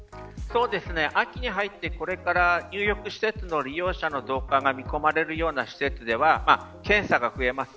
秋に入って、これから入浴施設の利用者の増加が見込まれるような施設では検査が増えます。